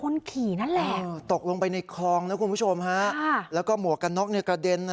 ลงไปในคลองนะครับคุณผู้ชมฮะแล้วก็หมวกกันนกเนี่ยกระเด็น